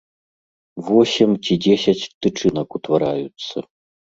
Восем ці дзесяць тычынак утвараюцца.